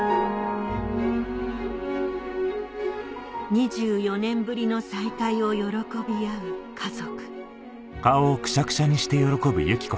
２４年ぶりの再会を喜び合う家族